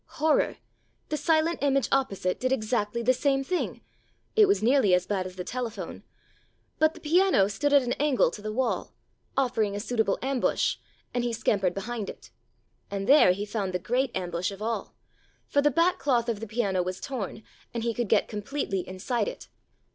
Horror 1 The silent image opposite did exactly the same thing; ... it was nearly as bad as the telephone. But the piano stood at an angle to the wall, offering a suitable ambush, and he scam pered behind it. And there he found the great am bush of all, for the back cloth of the piano was torn, and he could get completely inside it.